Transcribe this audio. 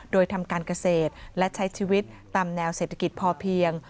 โดยทำการเกษตรและใช้ชีวิตตามแนวเศรษฐกิจพอเพียง